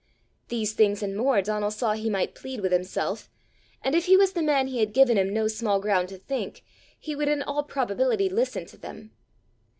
These things and more Donal saw he might plead with himself; and if he was the man he had given him no small ground to think, he would in all probability listen to them.